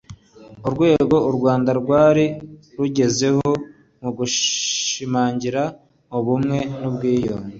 urwego u rwanda rwari rugezeho mu gushimangira ubumwe n'ubwiyunge